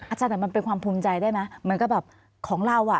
อาจารย์แต่มันเป็นความภูมิใจได้ไหมเหมือนกับแบบของเราอ่ะ